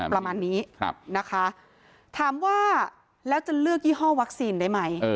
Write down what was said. ประมาณนี้นะคะถามว่าแล้วจะเลือกยี่ห้อวัคซีนได้ไหม